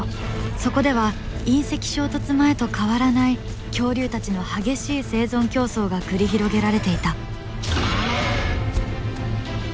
そこでは隕石衝突前と変わらない恐竜たちの激しい生存競争が繰り広げられていた。